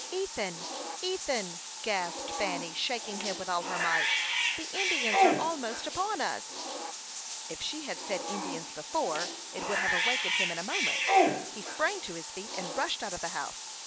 "Ethan, Ethan!" gasped Fanny, shaking him with all her might, "the Indians are almost upon us." If she had said Indians before, it would have awakened him in a moment. He sprang to his feet, and rushed out of the house.